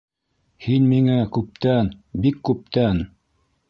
Һин миңә күптән, бик күптән...